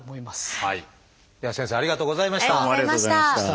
では先生ありがとうございました。